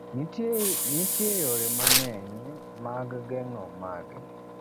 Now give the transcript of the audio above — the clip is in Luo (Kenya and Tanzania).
Nitie yore mang'eny mag geng'o magi.